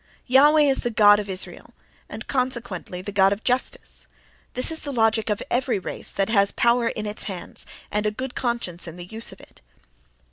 Jahveh is the god of Israel, and consequently the god of justice: this is the logic of every race that has power in its hands and a good conscience in the use of it.